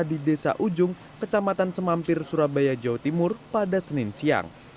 di desa ujung kecamatan semampir surabaya jawa timur pada senin siang